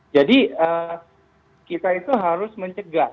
jadi kita itu harus mencegah